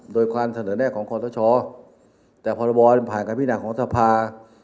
โดยความเสนอแน่ของพลชแต่พรบรผ่านกับวินักของทศพา